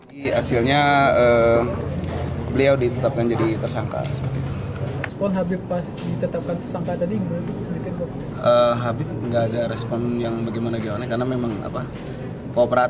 di hasilnya beliau ditetapkan jadi tersangka